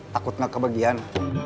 takut gak kebagian